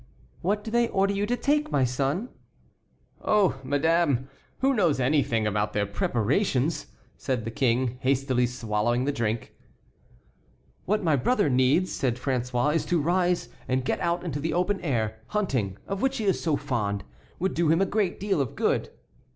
"What do they order you to take, my son?" "Oh! madame, who knows anything about their preparations?" said the King, hastily swallowing the drink. "What my brother needs," said François, "is to rise and get out into the open air; hunting, of which he is so fond, would do him a great deal of good."